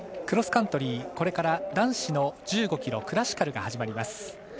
クロスカントリーこれから男子の１５ｋｍクラシカルが始まります。